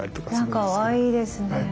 かわいいですね。